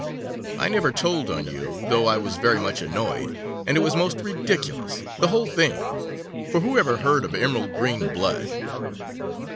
I never told on you, though I was very much annoyed, and it was most ridiculous, the whole thing; for who ever heard of emerald green blood?